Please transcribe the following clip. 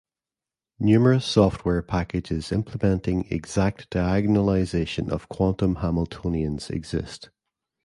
Numerous software packages implementing exact diagonalization of quantum Hamiltonians exist.